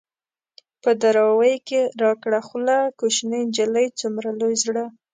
په دراوۍ کې را کړه خوله ـ کوشنۍ نجلۍ څومره لوی زړه